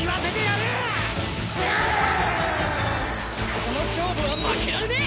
この勝負は負けられねえ！